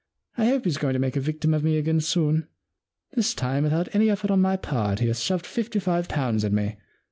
I hope he's going to make a victim of me again soon. This time without any effort on my part he has shoved fifty five pounds at me.